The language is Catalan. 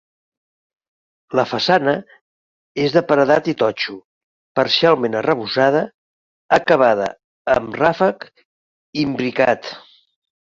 La façana és de paredat i totxo, parcialment arrebossada, acabada amb ràfec imbricat.